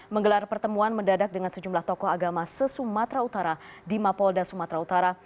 menggelar pertemuan mendadak dengan sejumlah tokoh agama sesumatra utara di mapolda sumatra utara